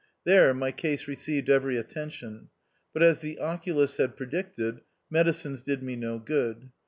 There my case received every attention ; but as the oculist had predicted, medicines did me no good.